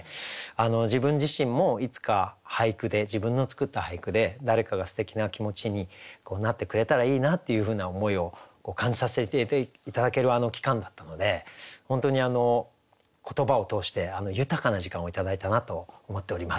自分自身もいつか俳句で自分の作った俳句で誰かがすてきな気持ちになってくれたらいいなというふうな思いを感じさせて頂ける期間だったので本当に言葉を通して豊かな時間を頂いたなと思っております。